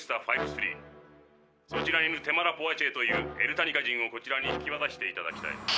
「そちらにいるテマラ・ポワチエというエルタニカ人をこちらに引きわたしていただきたい」。